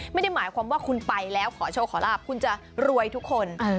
ไม่ได้หมายความว่าคุณไปแล้วขอโชคขอลาบคุณจะรวยทุกคน